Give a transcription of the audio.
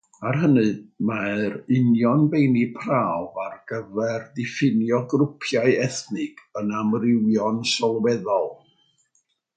At hynny, mae'r union feini prawf ar gyfer diffinio grwpiau ethnig yn amrywio'n sylweddol.